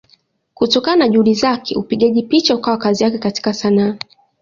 Kutokana na Juhudi zake upigaji picha ukawa kazi yake katika Sanaa.